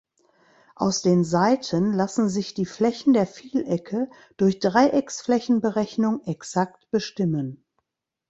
Aus den Seiten lassen sich die Flächen der Vielecke durch Dreiecksflächenberechnung exakt bestimmen.